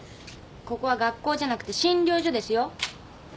ここは学校じゃなくて診療所ですよ。